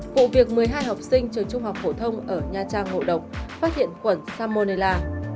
vụ việc một mươi hai học sinh trường trung học phổ thông ở nha trang ngộ độc phát hiện khuẩn salmonella